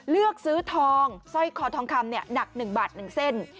เลือกซื้อทองสร้อยคอทองคำหนัก๑บาท๑เส้น